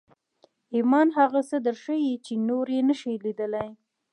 ایمان هغه څه درښيي چې نور یې نشي لیدلی